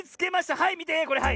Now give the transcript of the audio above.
はいみてこれはい。